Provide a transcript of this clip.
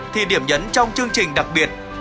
thì điểm nhấn trong chương trình đặc biệt